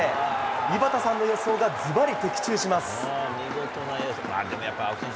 井端さんの予想がズバリ的中します。